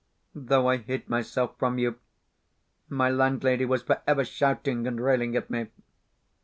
Though I hid myself from you, my landlady was forever shouting and railing at me.